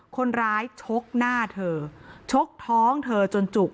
ชกหน้าเธอชกท้องเธอจนจุก